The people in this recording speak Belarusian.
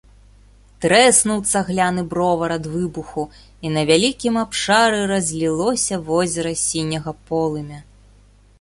Трэснуў цагляны бровар ад выбуху, і на вялікім абшары разлілося возера сіняга полымя.